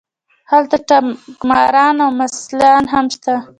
هلته ټګماران او ممثلان هم شته.